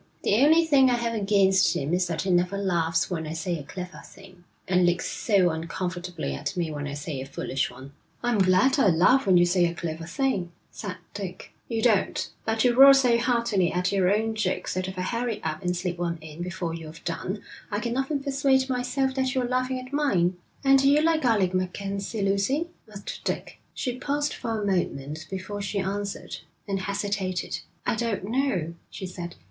The only thing I have against him is that he never laughs when I say a clever thing, and looks so uncomfortably at me when I say a foolish one.' 'I'm glad I laugh when you say a clever thing,' said Dick. 'You don't. But you roar so heartily at your own jokes that if I hurry up and slip one in before you've done, I can often persuade myself that you're laughing at mine.' 'And do you like Alec MacKenzie, Lucy?' asked Dick. She paused for a moment before she answered, and hesitated. 'I don't know,' she said.